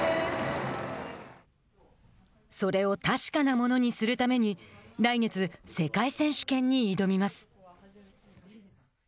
それを確かなものにするために来月、世界選手権に挑みます。